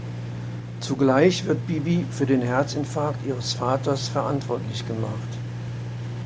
Zugleich wird Bibi für den Herzinfarkt ihres Vaters verantwortlich gemacht.